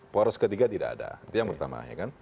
poros ketiga tidak ada itu yang pertama